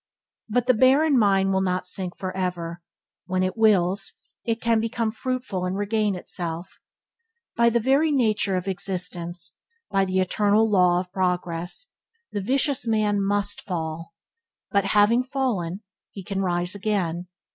But the barren mind will not sink for ever. When it wills, it can become fruitful and regain itself. By the very nature of existence, by the eternal law of progress, the vicious man must fall; but having fallen, he can rise again.